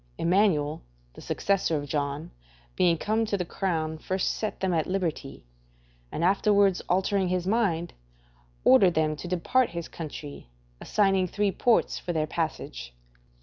Emmanuel, the successor of John, being come to the crown, first set them at liberty, and afterwards altering his mind, ordered them to depart his country, assigning three ports for their passage.